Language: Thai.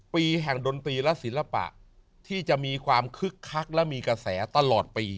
ปีแห่งดนตรีและศิลปะที่จะมีความคึกคักและมีกระแสตลอดปี